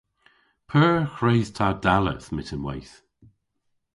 P'eur hwredh ta dalleth myttinweyth?